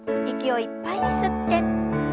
息をいっぱいに吸って。